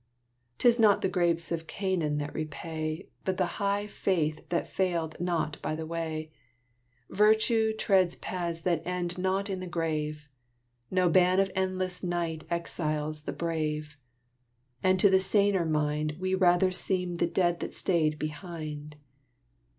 'Tis not the grapes of Canaan that repay, But the high faith that failed not by the way; Virtue treads paths that end not in the grave; No ban of endless night exiles the brave; And to the saner mind We rather seem the dead that stayed behind.